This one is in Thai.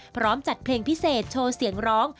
พร้อมจัดเพลงพิเศษโชว์เสียงร้อง